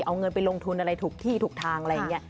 เอาเงินไปลงทุนอะไรถูกที่ถูกทางอะไรอย่างนี้